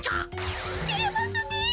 てれますね！